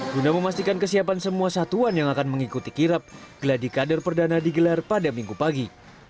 guna memastikan kesiapan semua satuan yang akan mengikuti kirap geladi kader perdana digelar pada minggu pagi